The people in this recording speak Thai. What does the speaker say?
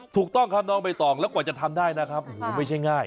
ถูกต้องครับน้องใบตองแล้วกว่าจะทำได้นะครับโอ้โหไม่ใช่ง่าย